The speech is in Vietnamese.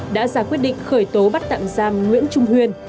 đã ra quyết định khởi tố bắt tạm giam nguyễn trung huyên